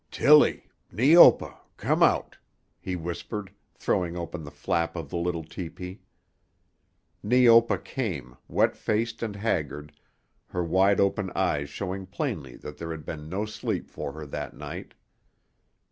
"Tillie! Neopa! Come out!" he whispered, throwing open the flap of the little tepee. Neopa came, wet faced and haggard, her wide open eyes showing plainly that there had been no sleep for her that night.